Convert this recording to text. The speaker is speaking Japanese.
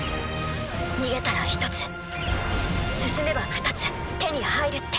逃げたら１つ進めば２つ手に入るって。